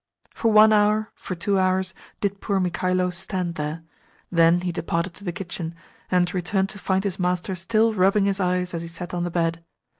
For one hour, for two hours, did poor Mikhailo stand there: then he departed to the kitchen, and returned to find his master still rubbing his eyes as he sat on the bed.